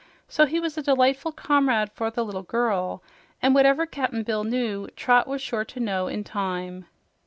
So he was a delightful comrade for the little girl, and whatever Cap'n Bill knew Trot was sure to know in time.